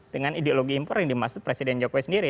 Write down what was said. dengan ideologi impor yang dimaksud presiden jokowi sendiri